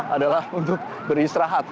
adalah untuk beristirahat